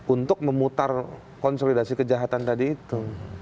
untuk memutar konsolidasi kejahatan tadi itu